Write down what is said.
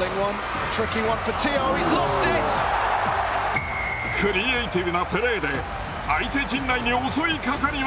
クリエーティブなプレーで相手陣内に襲いかかります。